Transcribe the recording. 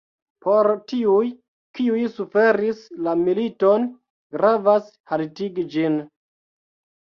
Por tiuj, kiuj suferis la militon, gravas haltigi ĝin.